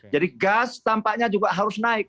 jadi gas tampaknya juga harus naik